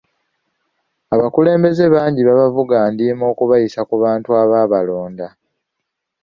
Abakulembeze bangi babavuga ndiima okubayisa ku bantu abaabalonda.